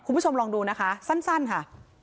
คุณผู้ชมลองดูนะคะสั้นค่ะ